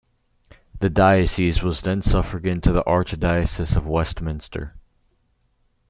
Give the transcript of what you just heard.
The diocese was then suffragan to the Archdiocese of Westminster.